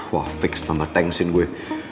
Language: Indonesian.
wah fix tambah thanks in gue